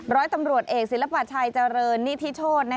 ร้อยตำรวจเอกศิลปะชัยเจริญนิธิโชธ